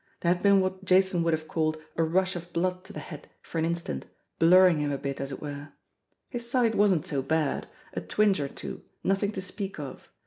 There had been what Jason would have call :d a rush of blood to the head for an instant, blurring him a bit, as it were. His side wasn't so bad a twinge or two nothing to speak of.